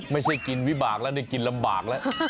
ไม่ใช่กินวิบากแล้วนี่กินลำบากแล้ว